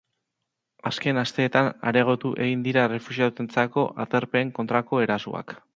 Azken asteetan areagotu egin dira errefuxiatuentzako aterpeen kontrako erasoak.